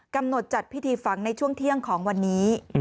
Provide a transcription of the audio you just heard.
จัดพิธีฝังในช่วงเที่ยงของวันนี้